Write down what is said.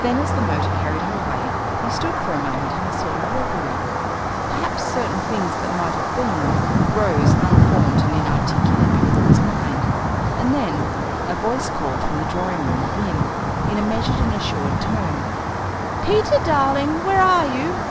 Then as the motor carried her away he stood for a moment in a sort of reverie. Perhaps certain things that might have been rose unformed and inarticulate before his mind. And then, a voice called from the drawing room within, in a measured and assured tone, "Peter, darling, where are you?"